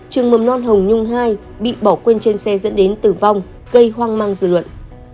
trường mầm non hồng nhung hai bị bỏ quên trên xe dẫn đến tử vong gây hoang mang dư luận